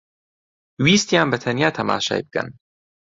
ویستیان بەتەنیا تەماشای بکەن